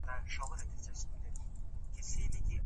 «ګیله من» له خپله بخته «ګیله من» مي له خپل قام یم